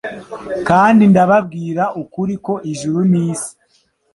"Kandi ndababwira ukuri ko ijuru n'isi,